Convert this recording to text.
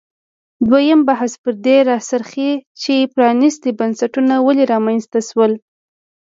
دویم بحث پر دې راڅرخي چې پرانیستي بنسټونه ولې رامنځته شول.